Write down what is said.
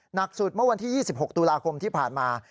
หนักสุดเมื่อวันที่๒๖ตุลาคมที่ผ่านมา